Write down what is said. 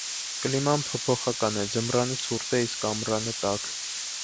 Կլիման փոփոխական է, ձմռանը ցուրտ է, իսկ ամռանը տաք։